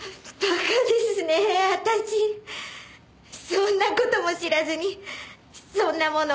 そんな事も知らずにそんなもの